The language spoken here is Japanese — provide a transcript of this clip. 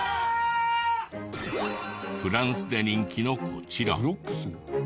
フランスで人気のこちら。